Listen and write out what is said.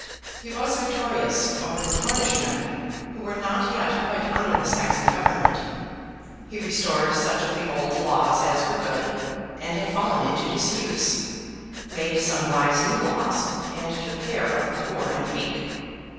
He was victorious over the Cornish men, who were not yet quite under the Saxon government. He restored such of the old laws as were good, and had fallen into disuse; made some wise new laws, and took care of the poor and weak.